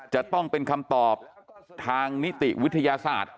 จะต้องเป็นคำตอบทางนิติวิทยาศาสตร์